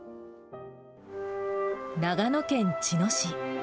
長野県茅野市。